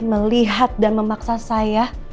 melihat dan memaksa saya